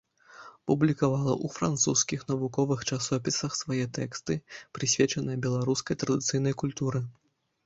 Публікавала ў французскіх навуковых часопісах свае тэксты, прысвечаныя беларускай традыцыйнай культуры.